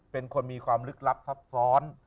เป็นคนมีความลึกลับซับซ้อน